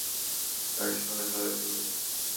কারিশমা দেখালে তুমি।